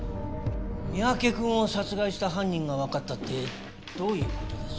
三宅くんを殺害した犯人がわかったってどういう事です？